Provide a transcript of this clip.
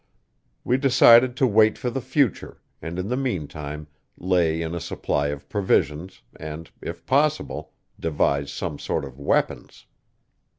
We decided to wait for the future, and in the mean time lay in a supply of provisions, and, if possible, devise some sort of weapons.